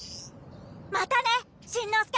またねしんのすけ！